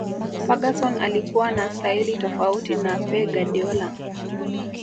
ferguson alikuwa na staili tofauti na Pe Guardiola